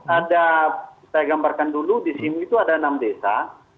ada saya gambarkan dulu di sini itu ada enam desa